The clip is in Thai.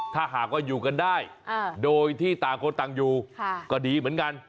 ถ้าหากว่าอยู่กันได้โดยที่ต่างคนต่างอยู่ก็ดีเหมือนกัน